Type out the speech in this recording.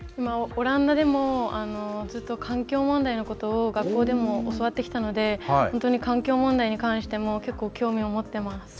オランダでもずっと環境問題のことを学校でも教わってきたので本当に環境問題に関しても結構、興味を持ってます。